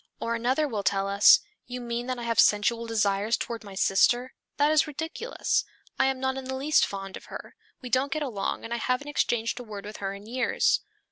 Or another will tell us, "You mean that I have sensual desires toward my sister? That is ridiculous. I am not in the least fond of her. We don't get along and I haven't exchanged a word with her in years."